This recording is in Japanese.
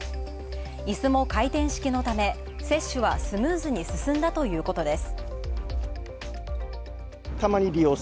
椅子も回転式のため接種はスムーズに進んだということです。